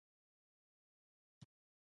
ماته نه منل د قوي ارادې ښکارندوی کوي